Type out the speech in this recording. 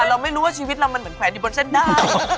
แต่เราไม่รู้ว่าชีวิตเรามันเหมือนแขวนอยู่บนเส้นได้